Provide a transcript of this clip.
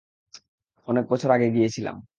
অনেক বছর আগে গিয়েছিলাম।